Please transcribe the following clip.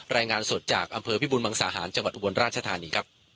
รายงานสดจากอำเภอพิบูรมังสาหารจังหวัดอุบลราชธานีครับ